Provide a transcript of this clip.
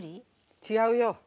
違うよ。